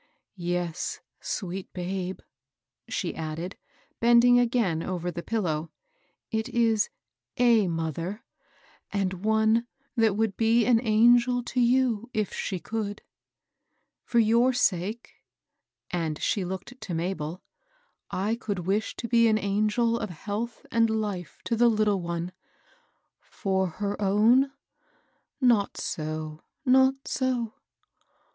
Yes, sweet babe," she added, bending again over the pillow ;" it is a mother^ and one that would be an angel to yoxsL^ ^^ ^^jssSi^ 286 MABEL Boes. For your sake,'' and she looked to Mabel, ^^ I coold wish to be an angel of health and life to the little one ; for her own, — not so, — ^not so."